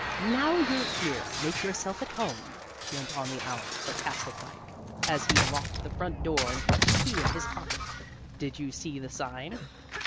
"Now you're here, make yourself at home," went on the owl, sarcastic like, as he locked the front door and put the key in his pocket. "Did you see the sign?"